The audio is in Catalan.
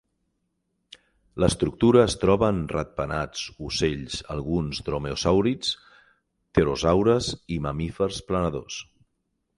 L'estructura es troba en ratpenats, ocells, alguns dromeosàurids, pterosaures i mamífers planadors.